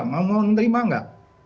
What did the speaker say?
mau menerima nggak